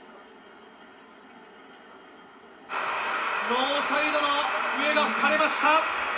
ノーサイドの笛が吹かれました。